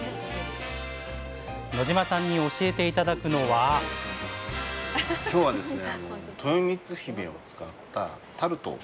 野島さんに教えて頂くのは今日はですね